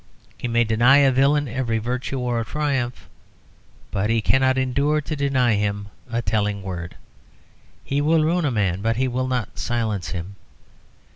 He may deny a villain every virtue or triumph, but he cannot endure to deny him a telling word; he will ruin a man, but he will not silence him.